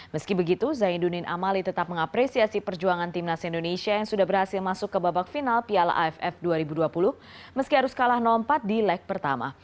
meski begitu zainuddin amali tetap mengapresiasi perjuangan timnas indonesia yang sudah berhasil masuk ke babak final piala aff dua ribu dua puluh meski harus kalah empat di leg pertama